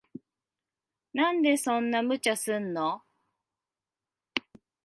なんでそんな無茶すんの。